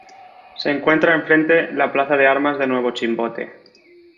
Se encuentra en frente la plaza de armas de Nuevo Chimbote.